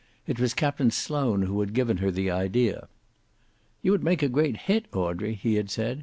It was Captain Sloane who had given her the idea. "You would make a great hit, Audrey," he had said.